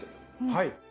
はい。